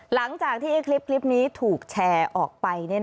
หลังจากที่คลิปนี้ถูกแชร์ออกไป